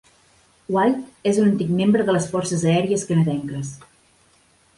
White és un antic membre de les forces aèries canadenques.